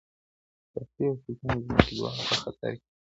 شخصي او سلطاني ځمکې دواړه په خطر کې دي.